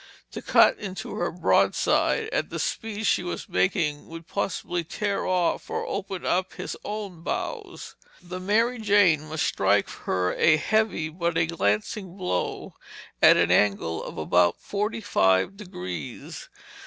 To cut into her broadside at the speed she was making would possibly tear off or open up his own bows. The Mary Jane must strike her a heavy but a glancing blow at an angle of about forty five degrees.